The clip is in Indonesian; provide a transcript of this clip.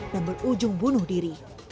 dan berujung bunuh diri